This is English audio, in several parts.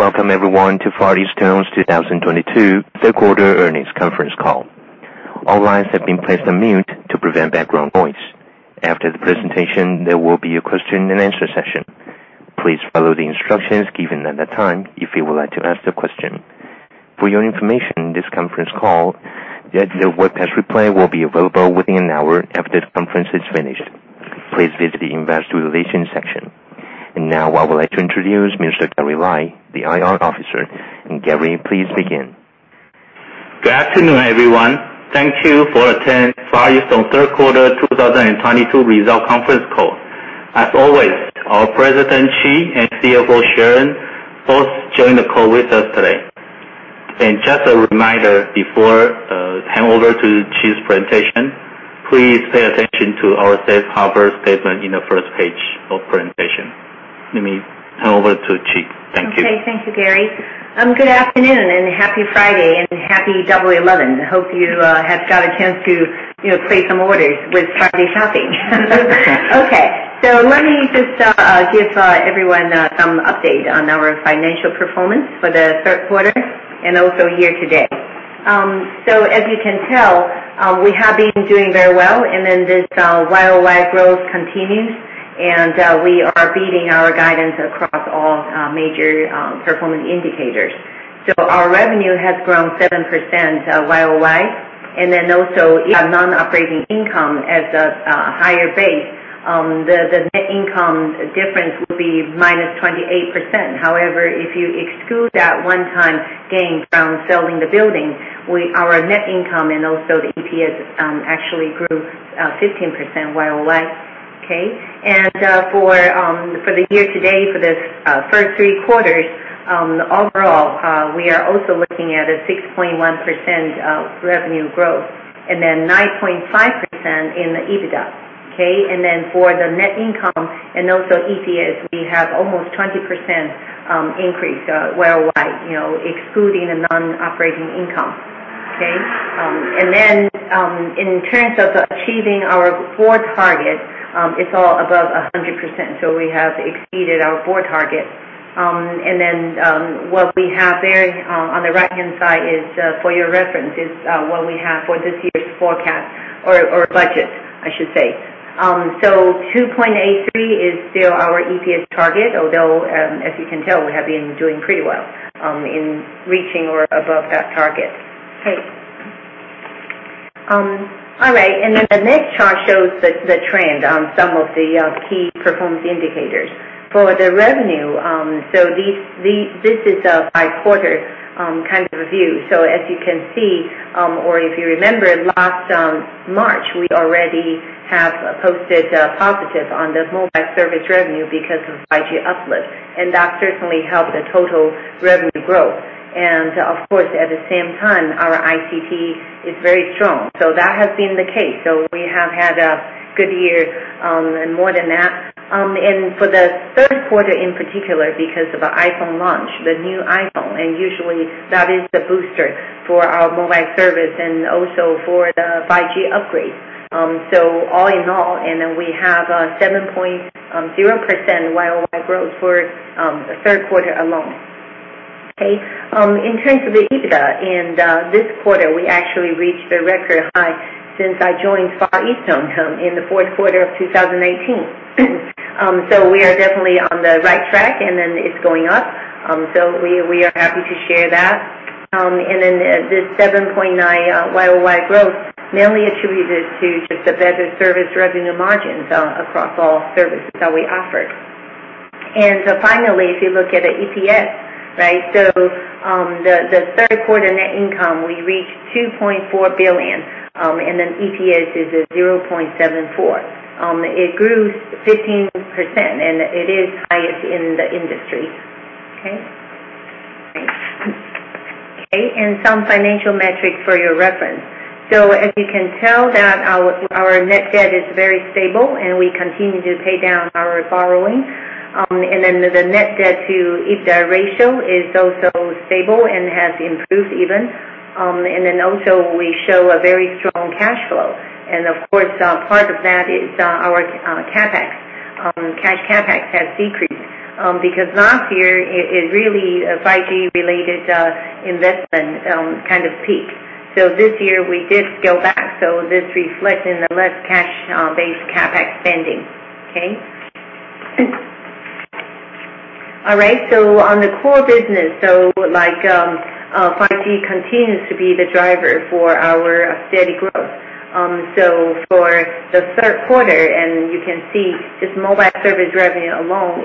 Welcome everyone to Far EasTone's 2022 third quarter earnings conference call. All lines have been placed on mute to prevent background noise. After the presentation, there will be a question and answer session. Please follow the instructions given at that time if you would like to ask a question. For your information, this conference call, the webcast replay will be available within an hour after the conference is finished. Please visit the Investor Relations section. Now I would like to introduce Mr. Gary Lai, the IR Officer. Gary, please begin. Good afternoon, everyone. Thank you for attending Far EasTone third quarter 2022 results conference call. As always, our President, Chee, and CFO, Sharon, both join the call with us today. Just a reminder before hand over to Chee's presentation, please pay attention to our safe harbor statement in the first page of presentation. Let me hand over to Chee. Thank you. Okay. Thank you, Gary. Good afternoon, and happy Friday, and happy Double Eleven. Hope you have got a chance to, you know, place some orders with friDay Shopping. Okay, let me just give everyone some update on our financial performance for the third quarter, and also year to date. As you can tell, we have been doing very well, and then this Y-o-Y growth continues, and we are beating our guidance across all major performance indicators. Our revenue has grown 7% Y-o-Y, and then also you have non-operating income as a higher base. The net income difference will be 28%. However, if you exclude that one-time gain from selling the building, our net income and also the EPS actually grew 15% Y-o-Y. Okay? For the year to date, for this first 3/4, overall, we are also looking at a 6.1% revenue growth, and then 9.5% in the EBITDA. For the net income and also EPS, we have almost 20% increase, Y-o-Y, you know, excluding the non-operating income. In terms of achieving our board target, it's all above 100%, so we have exceeded our board target. What we have there, on the right-hand side is, for your reference, what we have for this year's forecast or budget, I should say. 2.83 is still our EPS target, although, as you can tell, we have been doing pretty well in reaching or above that target. Okay. All right, and then the next chart shows the trend on some of the key performance indicators. For the revenue, this is a by quarter kind of view. As you can see, or if you remember, last March, we already have posted positive on the mobile service revenue because of 5G uplift, and that certainly helped the total revenue growth. And of course, at the same time, our ICT is very strong, so that has been the case. We have had a good year, and more than that. For the third quarter in particular because of the iPhone launch, the new iPhone, and usually that is the booster for our mobile service and also for the 5G upgrade. We have 7.0% Y-o-Y growth for the third quarter alone. In terms of the EBITDA, this quarter, we actually reached a record high since I joined Far EasTone in the fourth quarter of 2018. We are definitely on the right track, and then it's going up. We are happy to share that. This 7.9% Y-o-Y growth mainly attributed to just the better service revenue margins across all services that we offer. Finally, if you look at the EPS, right? The third quarter net income, we reached 2.4 billion, and then EPS is at 0.74. It grew 15%, and it is highest in the industry. Some financial metrics for your reference. As you can tell that our net debt is very stable, and we continue to pay down our borrowing. The net debt to EBITDA ratio is also stable and has improved even. We also show a very strong cash flow. Of course, part of that is our CapEx. Cash CapEx has decreased, because last year it really 5G-related investment kind of peaked. This year we did scale back, so this reflects in the less cash-based CapEx spending. On the core business, 5G continues to be the driver for our steady growth. For the third quarter, just mobile service revenue alone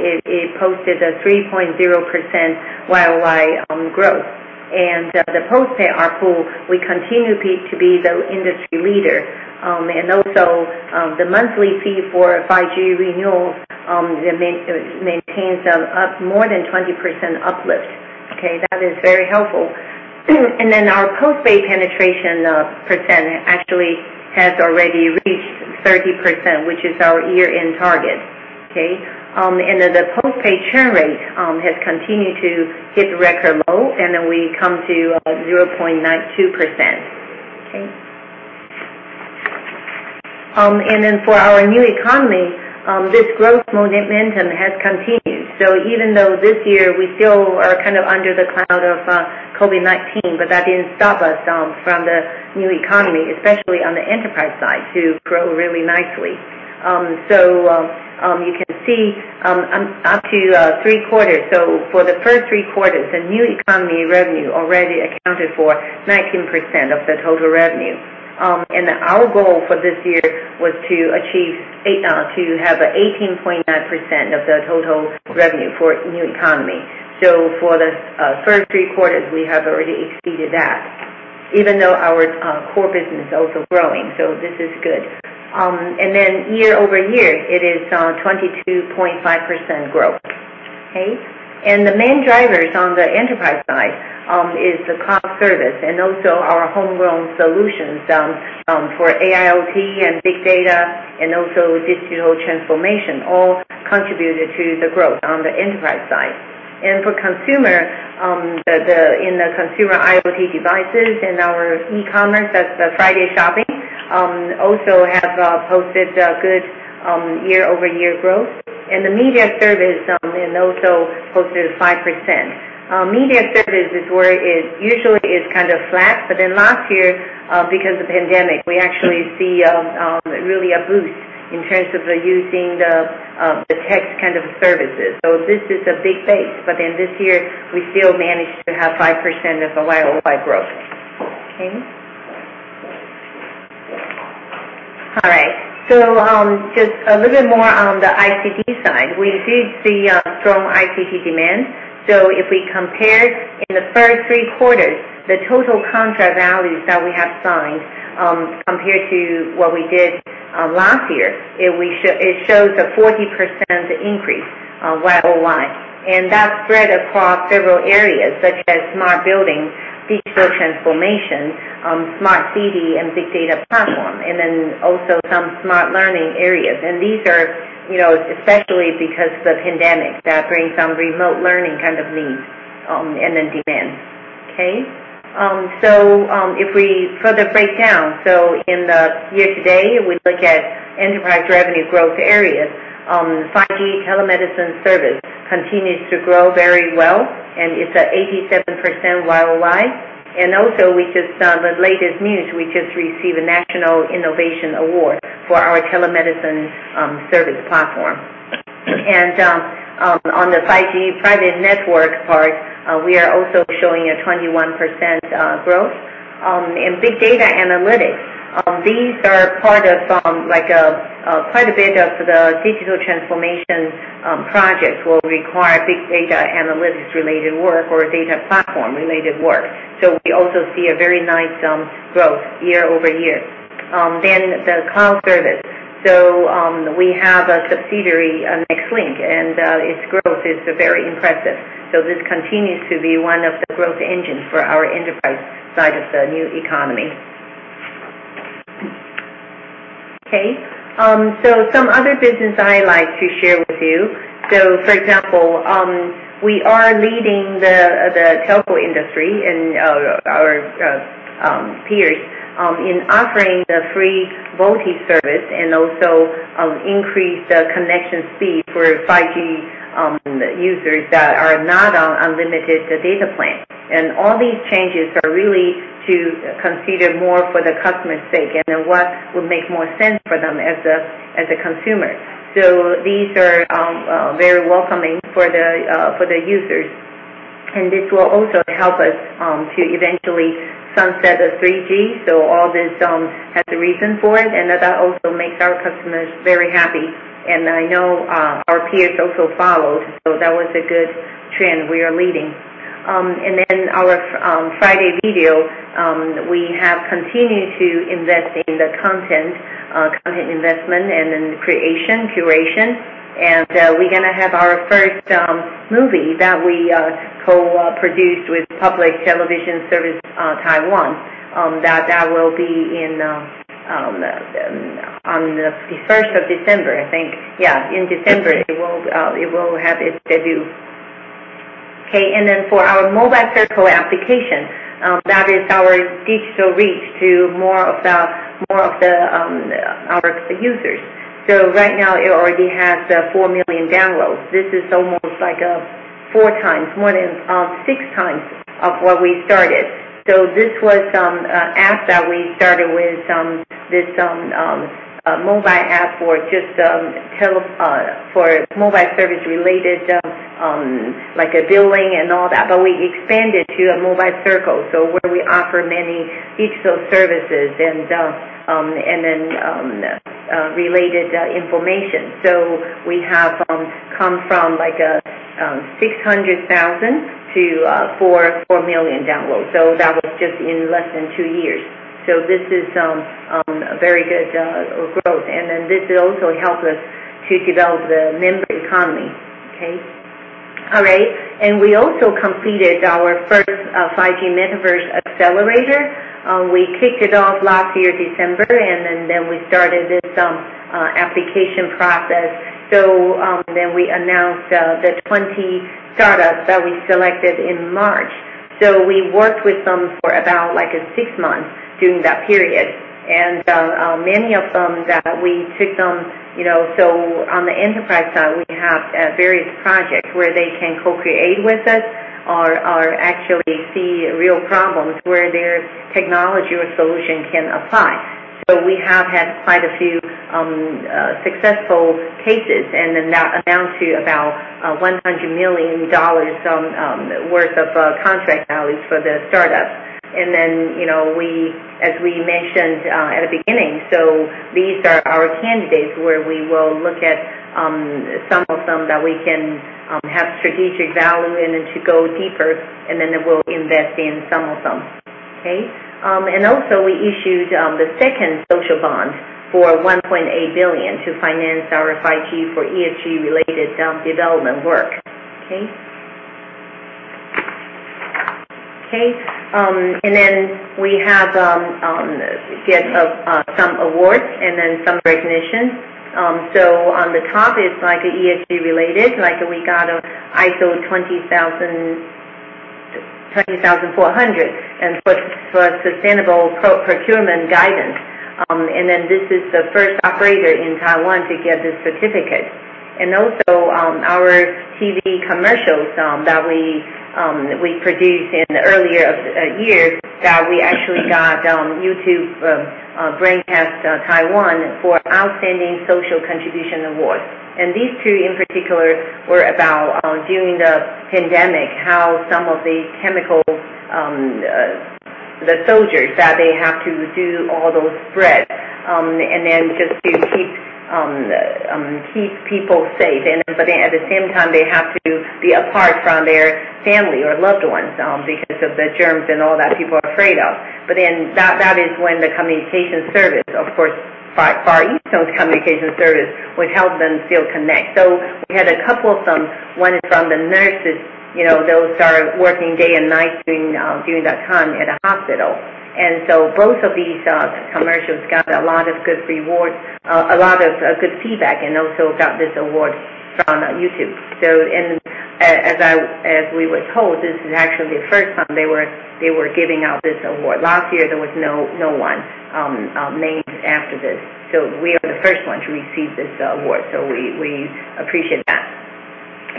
posted a 3.0% Y-o-Y growth. The postpaid ARPU, we continue to be the industry leader. The monthly fee for 5G renewals maintains a more than 20% uplift. Okay. That is very helpful. Our postpaid penetration percent actually has already reached 30%, which is our year-end target. Okay. The postpaid churn rate has continued to hit record low, and then we come to 0.92%. For our new economy, this growth momentum has continued. Even though this year we still are kind of under the cloud of COVID-19, but that didn't stop us from the new economy, especially on the enterprise side, to grow really nicely. You can see up to 3/4. For the first 3/4, the new economy revenue already accounted for 19% of the total revenue. Our goal for this year was to have 18.9% of the total revenue for new economy. For the first 3/4, we have already exceeded that, even though our core business is also growing, so this is good. Year-over-year, it is 22.5% growth. Okay? The main drivers on the enterprise side is the cloud service and also our homegrown solutions for AIOT and big data and also digital transformation, all contributed to the growth on the enterprise side. For consumer, in the consumer IoT devices and our e-commerce, that's the friDay shopping, also have posted a good year-over-year growth. The media service also posted 5%. Media service is where it usually is kind of flat, but then last year, because of pandemic, we actually see really a boost in terms of using the tech kind of services. This is a big base, but then this year we still managed to have 5% of the Y-o-Y growth. Okay. All right. Just a little bit more on the ICT side. We did see strong ICT demand. If we compare in the first 3/4, the total contract values that we have signed, compared to what we did last year, it shows a 40% increase Y-O-Y. That spread across several areas such as smart building, digital transformation, smart city and big data platform, and then also some smart learning areas. These are, you know, especially because the pandemic that brings some remote learning kind of needs and then demand. Okay. If we further break down, in the year to date, we look at enterprise revenue growth areas, 5G telemedicine service continues to grow very well, and it's at 87% Y-O-Y. Also we just, the latest news, we just received a National Innovation Award for our telemedicine service platform. On the 5G private network part, we are also showing a 21% growth. In big data analytics, these are part of some like quite a bit of the digital transformation projects will require big data analytics related work or data platform related work. We also see a very nice growth year-over-year. Then the cloud service. We have a subsidiary, Nextlink, and its growth is very impressive. This continues to be one of the growth engines for our enterprise side of the new economy. Okay. Some other business I like to share with you. For example, we are leading the telco industry and our peers in offering the free VoLTE service and also increase the connection speed for 5G users that are not on unlimited data plan. All these changes are really to consider more for the customer's sake and what will make more sense for them as a consumer. These are very welcoming for the users. This will also help us to eventually sunset the 3G. All this has a reason for it, and that also makes our customers very happy. I know our peers also followed. That was a good trend we are leading. Then our friDay Video, we have continued to invest in the content investment and then creation, curation. We're gonna have our first movie that we co-produced with Public Television Service Taiwan that will be on the first of December, I think. Yeah, in December, it will have its debut. Okay. For our FET Mobile Circle application, that is our digital reach to more of the users. So right now it already has four million downloads. This is almost like 4x more than 6x of where we started. This was app that we started with, this mobile app for just mobile service related, like a billing and all that, but we expanded to a mobile circle, so where we offer many digital services and then related information. We have come from like 600,000 to 4 million downloads. That was just in less than two years. This is a very good growth. Then this will also help us to develop the member economy. Okay? All right. We also completed our first 5G Metaverse Accelerator. We kicked it off last year, December, and then we started this application process. We announced the 20 startups that we selected in March. We worked with them for about like six months during that period. Many of them that we took them, you know, so on the enterprise side, we have various projects where they can co-create with us or actually see real problems where their technology or solution can apply. We have had quite a few successful cases, and then that amount to about $100 million worth of contract values for the startup. You know, we, as we mentioned at the beginning, so these are our candidates where we will look at some of them that we can have strategic value in and to go deeper, and then we'll invest in some of them. Okay? We issued the second social bond for 1.8 billion to finance our 5G for ESG-related development work. We have some awards and some recognition. On the top, it's like ESG-related, like we got an ISO 20400 for sustainable procurement guidance. This is the first operator in Taiwan to get this certificate. Our TV commercials that we produced in earlier years actually got YouTube Brandcast Taiwan for Outstanding Social Contribution Award. These two in particular were about during the pandemic, how some of the soldiers that they have to do all those sprays and then just to keep people safe. At the same time, they have to be apart from their family or loved ones because of the germs and all that people are afraid of. That is when the communication service, of course, Far EasTone's communication service would help them still connect. We had a couple of them. One is from the nurses, you know, those that are working day and night during that time at a hospital. Both of these commercials got a lot of good rewards, a lot of good feedback, and also got this award from YouTube. As we were told, this is actually the first time they were giving out this award. Last year, there was no one named after this. We are the first one to receive this award. We appreciate that.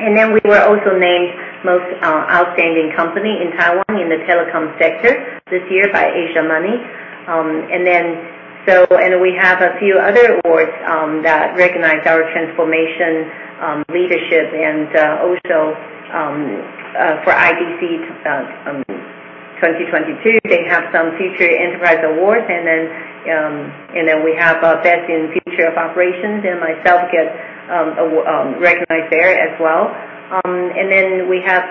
We were also named most outstanding company in Taiwan in the telecom sector this year by Asiamoney. We have a few other awards that recognize our transformation leadership and also for IDC 2022 they have some Future Enterprise Awards. We have best in Future of Operations, and myself get award recognized there as well. We have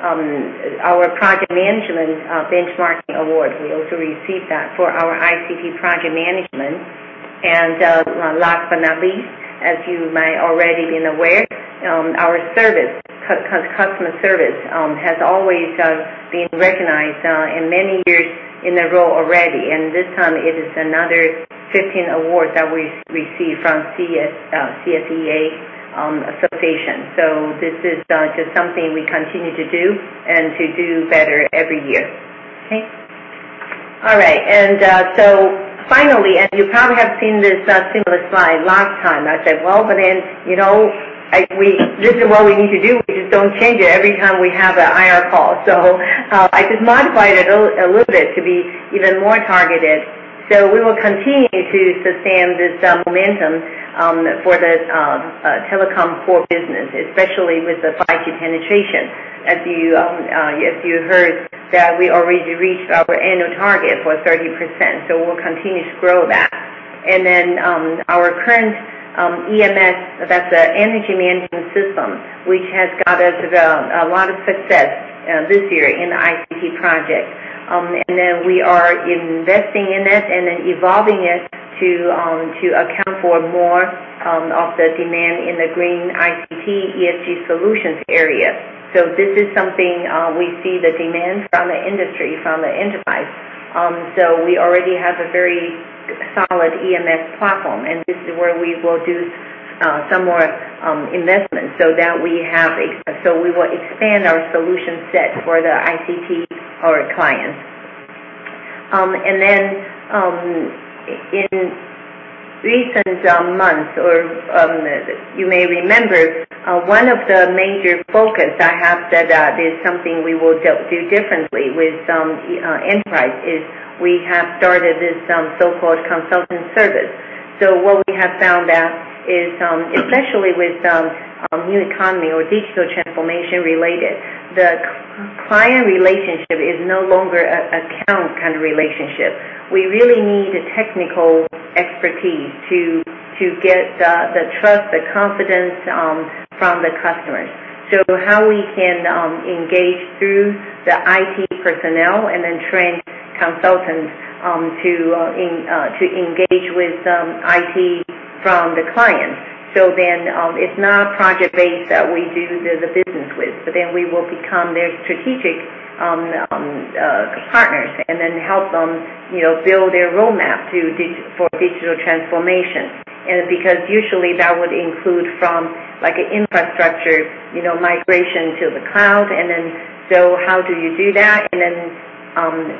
our Project Management Benchmarking Award. We also received that for our ICT project management. Last but not least, as you may already been aware, our service, customer service, has always been recognized in many years in a row already. This time it is another 15 awards that we received from CSEA Association. This is just something we continue to do and to do better every year. Okay? All right. Finally, and you probably have seen this similar slide last time. I said, well, but then, you know, we, this is what we need to do. We just don't change it every time we have an IR call. I just modified it a little bit to be even more targeted. We will continue to sustain this momentum for the telecom core business, especially with the 5G penetration. As you heard that we already reached our annual target for 30%, so we'll continue to grow that. Our current EMS, that's the Energy Management System, which has got us a lot of success this year in ICT projects. We are investing in it and then evolving it to account for more of the demand in the green ICT ESG solutions area. This is something we see the demand from the industry, from the enterprise. We already have a very solid EMS platform, and this is where we will do some more investment so that we will expand our solution set for the ICT for our clients. In recent months or you may remember, one of the major focus I have said that is something we will do differently with enterprise is we have started this so-called consulting service. What we have found out is especially with new economy or digital transformation related, the client relationship is no longer a account kind of relationship. We really need a technical expertise to get the trust, the confidence from the customers. How we can engage through the IT personnel and then train consultants to engage with IT from the clients. It's not project-based that we do the business with, but we will become their strategic partners and then help them, you know, build their roadmap to digital transformation. Because usually that would include from, like, infrastructure, you know, migration to the cloud. How do you do that?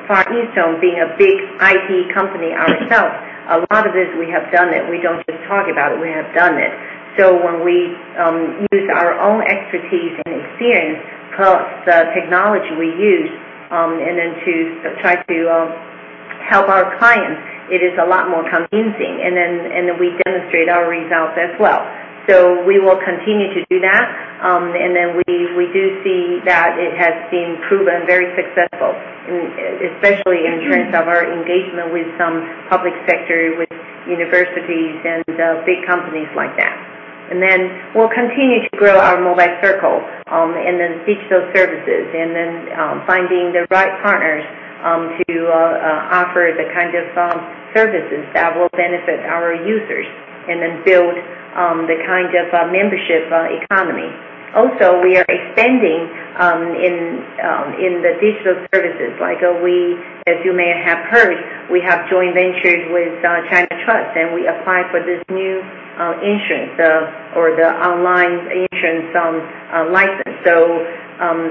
Far EasTone being a big IT company ourselves, a lot of this we have done it. We don't just talk about it, we have done it. So when we use our own expertise and experience plus the technology we use and then to try to help our clients, it is a lot more convincing. We demonstrate our results as well. We will continue to do that. We do see that it has been proven very successful, especially in terms of our engagement with some public sector, with universities and big companies like that. We'll continue to grow our Mobile Circle and then digital services and then finding the right partners to offer the kind of services that will benefit our users and then build the kind of a membership economy. Also, we are expanding in the digital services. As you may have heard, we have joint ventures with Chinatrust, and we applied for this new insurance or the online insurance license.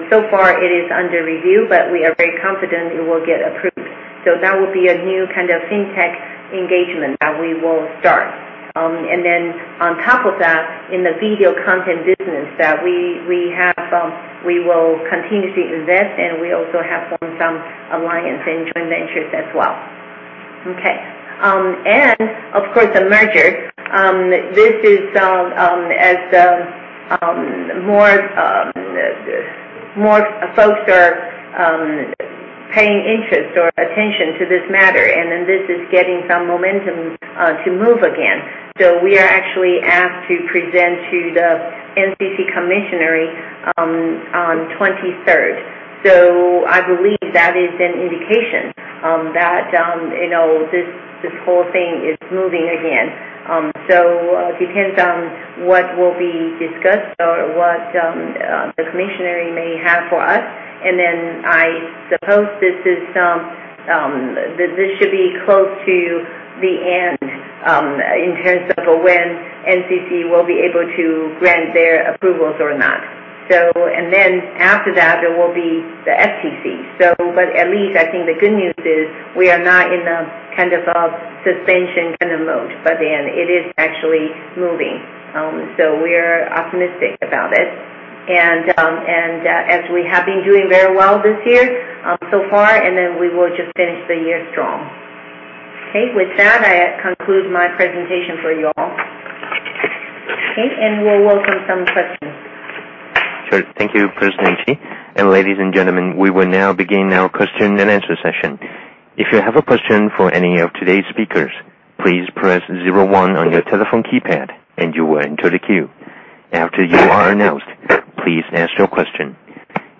So far it is under review, but we are very confident it will get approved. That will be a new kind of fintech engagement that we will start. On top of that, in the video content business that we have, we will continue to invest, and we also have formed some alliance and joint ventures as well. Okay. Of course, the merger. This is, as more folks are paying interest or attention to this matter, and then this is getting some momentum to move again. We are actually asked to present to the NCC Commissioner on 23rd. I believe that is an indication that you know this whole thing is moving again. Depends on what will be discussed or what the commissioner may have for us. I suppose this is, this should be close to the end, in terms of when NCC will be able to grant their approvals or not. After that there will be the FTC. At least I think the good news is we are not in a kind of a suspension kind of mode, but then it is actually moving. We are optimistic about it and, as we have been doing very well this year, so far, and then we will just finish the year strong. Okay, with that, I conclude my presentation for you all. Okay. We'll welcome some questions. Sure. Thank you, President Chee. Ladies and gentlemen, we will now begin our question and answer session. If you have a question for any of today's speakers, please press zero one on your telephone keypad and you will enter the queue. After you are announced, please ask your question.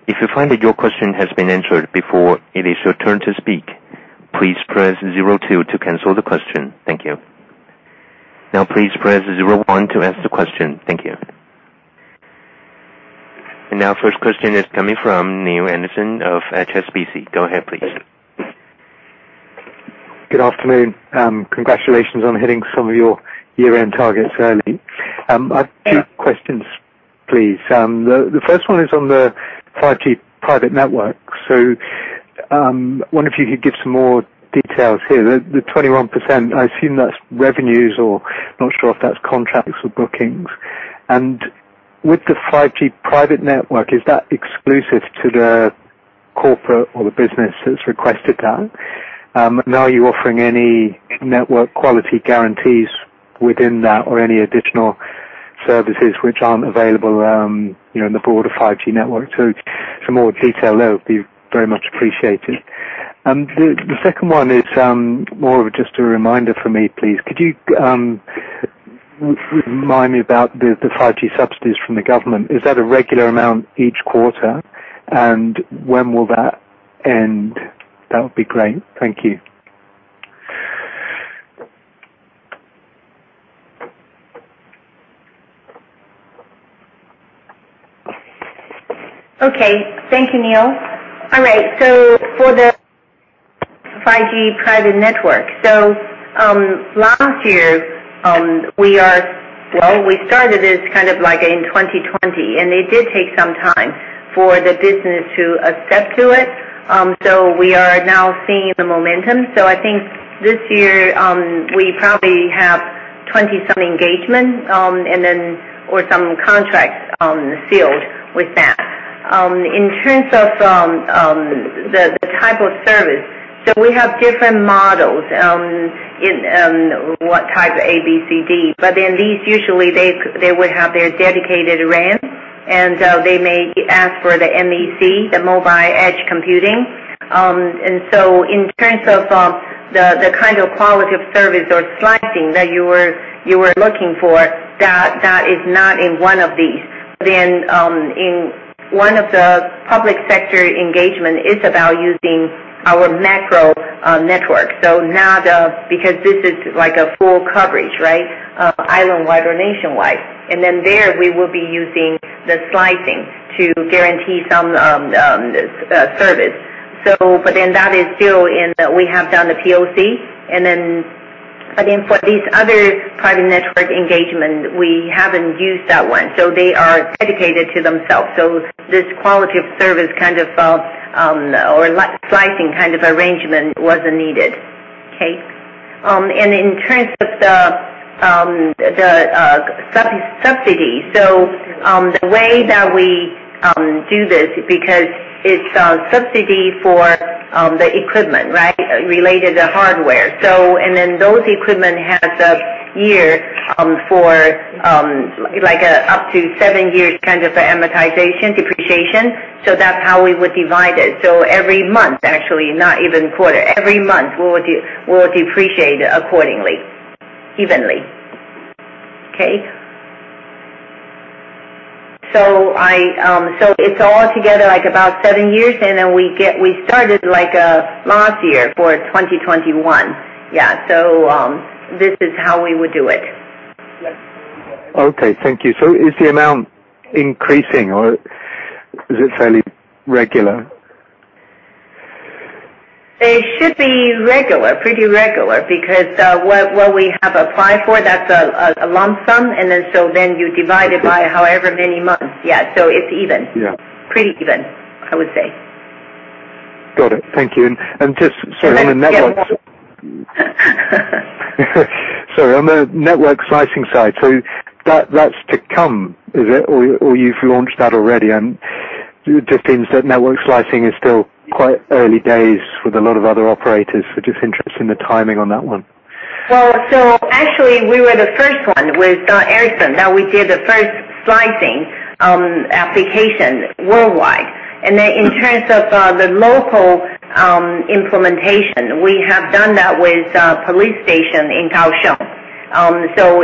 If you find that your question has been answered before it is your turn to speak, please press zero two to cancel the question. Thank you. Now, please press zero one to ask the question. Thank you. Our first question is coming from Neale Anderson of HSBC. Go ahead, please. Good afternoon. Congratulations on hitting some of your year-end targets early. I have two questions, please. The first one is on the 5G private network. Wonder if you could give some more details here. The 21%, I assume that's revenues or not sure if that's contracts or bookings. With the 5G private network, is that exclusive to the corporate or the business that's requested that? Now are you offering any network quality guarantees within that or any additional services which aren't available, you know, in the broader 5G network? Some more detail there would be very much appreciated. The second one is more of just a reminder for me, please. Could you remind me about the 5G subsidies from the government? Is that a regular amount each quarter? When will that end? That would be great. Thank you. Okay. Thank you, Neale. All right. For the 5G private network. Last year, well, we started this kind of like in 2020, and it did take some time for the business to accept it. We are now seeing the momentum. I think this year, we probably have 20-some engagements, and then some contracts sealed with that. In terms of the type of service, we have different models in what type A, B, C, D. But then these usually would have their dedicated RAN, and they may ask for the MEC, the Mobile Edge Computing. In terms of the kind of quality of service or slicing that you were looking for, that is not in one of these. In one of the public sector engagements, it's about using our macro network. Because this is like a full coverage, right? Islandwide or Nationwide. There, we will be using the slicing to guarantee some service. But then that is still in the we have done the POC. Again, for these other private network engagements, we haven't used that one, so they are dedicated to themselves. This quality of service kind of or like-slicing kind of arrangement wasn't needed. Okay? In terms of the subsidy. The way that we do this because it's a subsidy for the equipment, right, related to hardware. And then those equipment has a year for like up to seven years kind of amortization, depreciation. That's how we would divide it. Every month, actually, not even quarter, every month we'll depreciate it accordingly, evenly. It's all together like about seven years, and then we get. We started like last year for 2021. Yeah. This is how we would do it. Okay. Thank you. Is the amount increasing or is it fairly regular? It should be regular, pretty regular because what we have applied for, that's a lump sum. You divide it by however many months. Yeah. It's even. Yeah. Pretty even, I would say. Got it. Thank you. Just on the network slicing side, that's to come, is it, or you've launched that already? Just in the network slicing is still quite early days with a lot of other operators. Just interested in the timing on that one. Well, actually we were the first one with Ericsson that we did the first slicing application worldwide. In terms of the local implementation, we have done that with police station in Kaohsiung.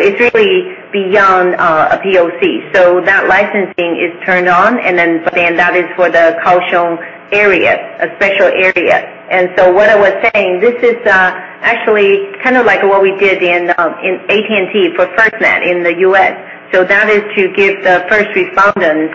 It's really beyond a POC. That slicing is turned on, but that is for the Kaohsiung area, a special area. What I was saying, this is actually kind of like what we did in AT&T for FirstNet in the U.S. That is to give the first responders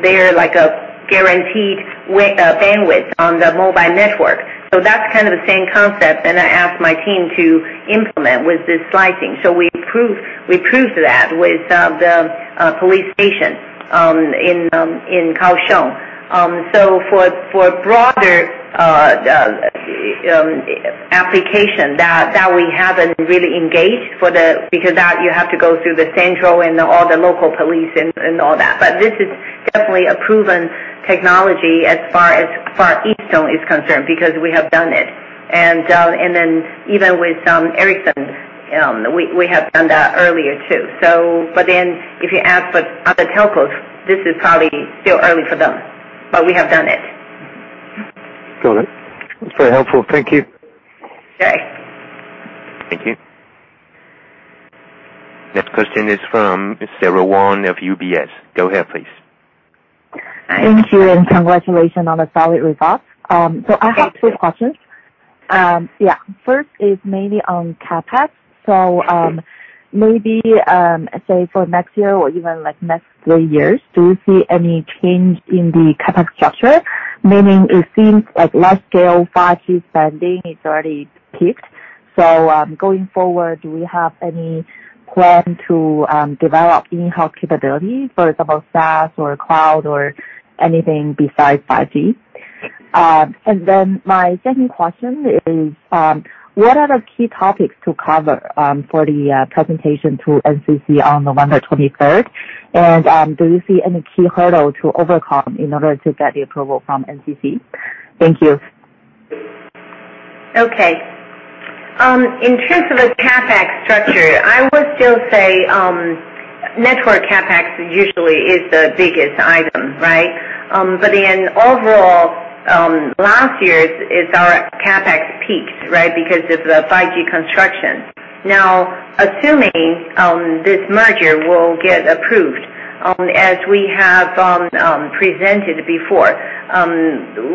their, like, a guaranteed bandwidth on the mobile network. That's kind of the same concept, and I asked my team to implement with this slicing. We proved that with the police station in Kaohsiung. For broader application that we haven't really engaged for the, because that you have to go through the central and all the local police and all that. This is definitely a proven technology as far as Far EasTone is concerned, because we have done it. Then even with Ericsson's, we have done that earlier too. If you ask the other telcos, this is probably still early for them, but we have done it. Got it. That's very helpful. Thank you. Okay. Thank you. Next question is from Sara Wang of UBS. Go ahead, please. Thank you, and congratulations on the solid results. I have two questions. First is mainly on CapEx. Maybe, say for next year or even next three years, do you see any change in the CapEx structure? Meaning it seems like large scale 5G spending is already peaked. Going forward, do we have any plan to develop in-house capability, for example, SaaS or cloud or anything besides 5G? My second question is, what are the key topics to cover for the presentation to NCC on November 23rd? Do you see any key hurdle to overcome in order to get the approval from NCC? Thank you. Okay. In terms of the CapEx structure, I would still say, network CapEx usually is the biggest item, right? Overall, last year our CapEx peaked, right? Because of the 5G construction. Now, assuming this merger will get approved, as we have presented before,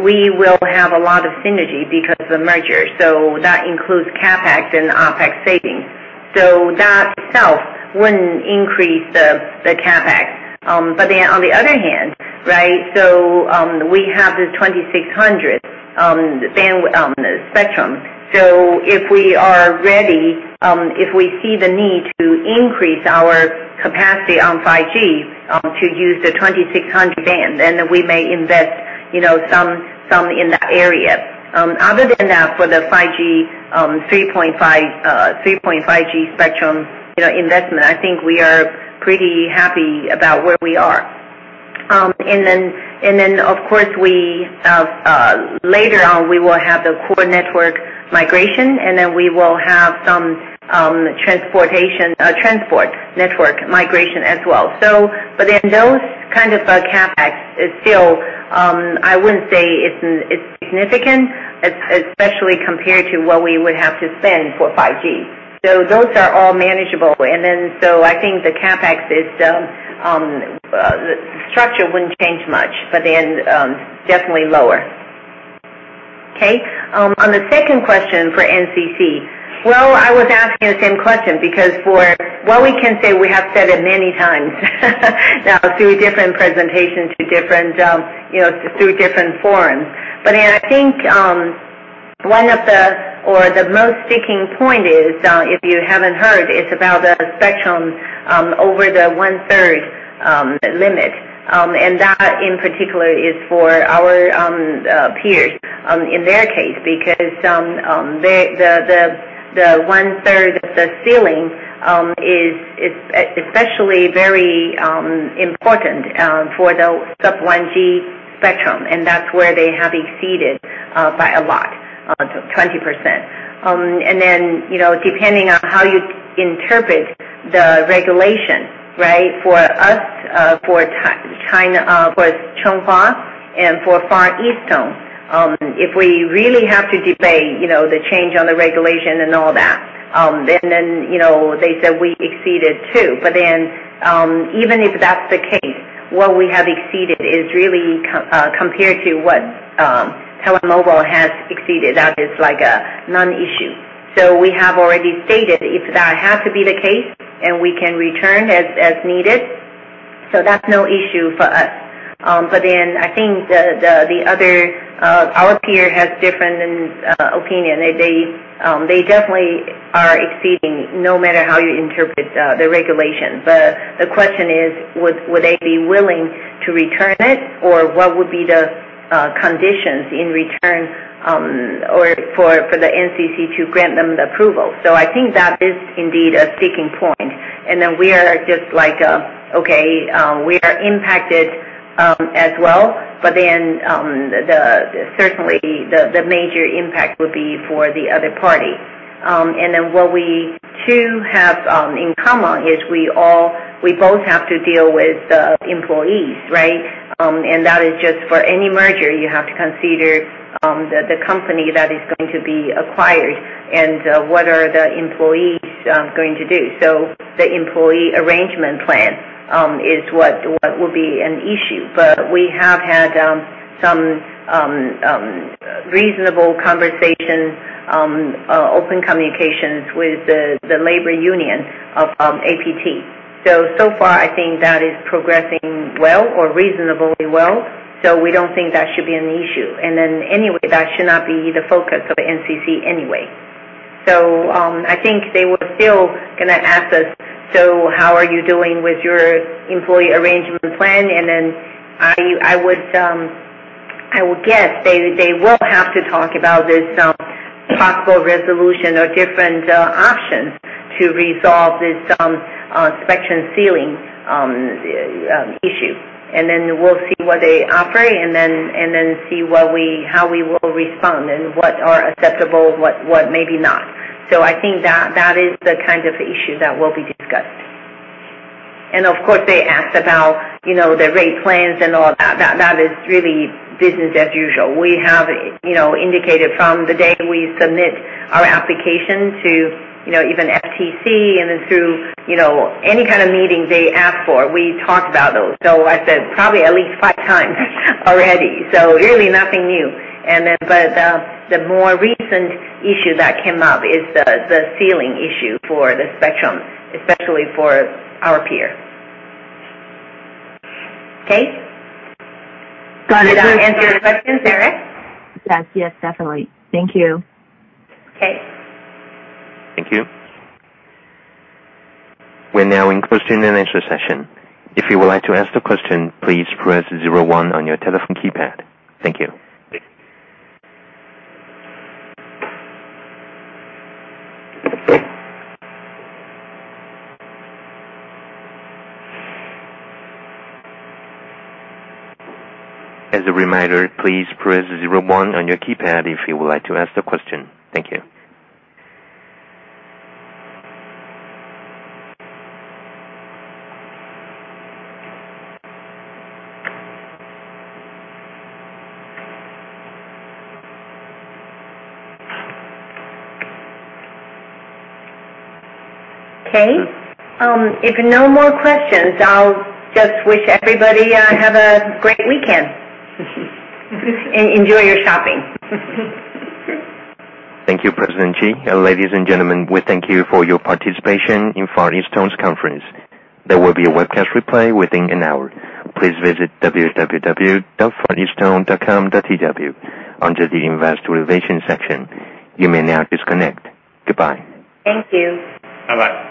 we will have a lot of synergy because of the merger, so that includes CapEx and OpEx savings. That itself wouldn't increase the CapEx. On the other hand, right, we have the 2600 spectrum. If we are ready, if we see the need to increase our capacity on 5G, to use the 2600 band, then we may invest, you know, some in that area. Other than that for the 5G 3.5G spectrum, you know, investment, I think we are pretty happy about where we are. Of course later on we will have the core network migration, and then we will have some transport network migration as well. But then those kind of a CapEx is still, I wouldn't say it's significant, especially compared to what we would have to spend for 5G. Those are all manageable. I think the CapEx structure wouldn't change much, but definitely lower. Okay. On the second question for NCC, well, I was asking the same question because for what we can say, we have said it many times now through different presentations, through different, you know, through different forums. I think the most sticking point is, if you haven't heard, it's about the spectrum over the one-third limit. That in particular is for our peers in their case, because the one-third ceiling is especially very important for the sub-1G spectrum, and that's where they have exceeded by a lot, 20%. Then, you know, depending on how you interpret the regulation, right? For us, for Chunghwa and for Far EasTone, if we really have to delay, you know, the change on the regulation and all that, then, you know, they say we exceeded too. Even if that's the case, what we have exceeded is really compared to what Taiwan Mobile has exceeded. That is like a non-issue. We have already stated if that had to be the case, and we can return as needed, so that's no issue for us. I think the other our peer has different opinion. They definitely are exceeding no matter how you interpret the regulation. The question is, would they be willing to return it or what would be the conditions in return, or for the NCC to grant them the approval? I think that is indeed a sticking point. We are just like, okay, we are impacted as well, but then, certainly the major impact would be for the other party. What we too have in common is we both have to deal with the employees, right? That is just for any merger, you have to consider the company that is going to be acquired and what are the employees going to do. The employee arrangement plan is what would be an issue. We have had some reasonable conversations, open communications with the labor union of APT. So far I think that is progressing well or reasonably well, so we don't think that should be an issue. Anyway, that should not be the focus of National Communications Commission anyway. I think they were still gonna ask us, "So how are you doing with your employee arrangement plan?" I would guess they will have to talk about this possible resolution or different option to resolve this spectrum ceiling issue. Then we'll see what they offer and then see how we will respond and what are acceptable, what maybe not. I think that is the kind of issue that will be discussed. Of course they asked about, you know, the rate plans and all that. That is really business as usual. We have, you know, indicated from the day we submit our application to, you know, even FTC and then through, you know, any kind of meeting they ask for, we talk about those. So I said probably at least five times already. So really nothing new. But the more recent issue that came up is the ceiling issue for the spectrum, especially for our peer. Okay. Got it. Did that answer your question, Sara? Yes. Yes, definitely. Thank you. Okay. Thank you. We're now in question and answer session. If you would like to ask the question, please press zero one on your telephone keypad. Thank you. As a reminder, please press zero one on your keypad if you would like to ask the question. Thank you. Okay. If no more questions, I'll just wish everybody have a great weekend. Enjoy your shopping. Thank you, President Chee. Ladies and gentlemen, we thank you for your participation in Far EasTone's conference. There will be a webcast replay within an hour. Please visit www.fareastone.com.tw under the Investor Relations section. You may now disconnect. Goodbye. Thank you. Bye-bye.